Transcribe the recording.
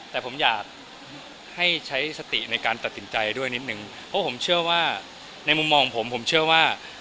แต่ผมอยากให้ใช้สติในการตัดสินใจด้วยนิดนึงเพราะผมเชื่อว่าในมุมมองของผมผมเชื่อว่า